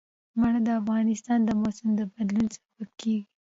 منی د افغانستان د موسم د بدلون سبب کېږي.